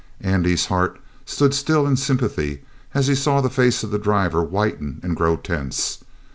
Andy's heart stood still in sympathy as he saw the face of the driver whiten and grow tense.